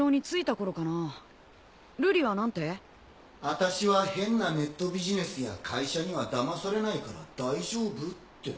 あたしは変なネットビジネスや会社にはだまされないから大丈夫って。